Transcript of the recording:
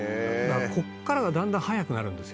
「ここからがだんだん早くなるんですよね」